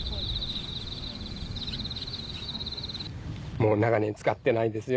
もう長年使ってないんですよ